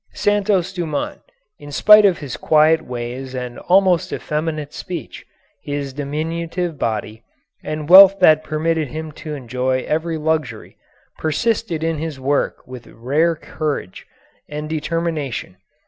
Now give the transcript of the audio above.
Santos Dumont, in spite of his quiet ways and almost effeminate speech, his diminutive body, and wealth that permitted him to enjoy every luxury, persisted in his work with rare courage and determination.